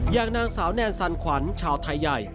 อย่างนางสาวแนนซันขวัญชาวไทยใหญ่